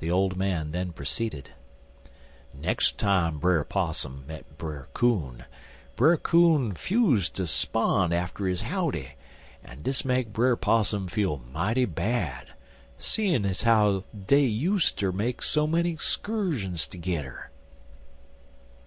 The old man then proceeded: "Nex' time Brer Possum met Brer Coon, Brer Coon 'fuse ter 'spon' ter his howdy, en dis make Brer Possum feel mighty bad, seein' ez how dey useter make so many 'scurshuns tergedder.